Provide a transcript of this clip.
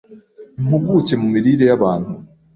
impuguke mu mirire y'abantu